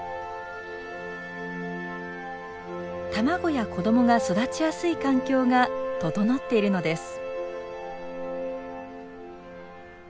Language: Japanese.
卵や子どもが育ちやすい環境が整っているのです。